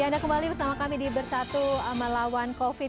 ya anda kembali bersama kami di bersatu melawan covid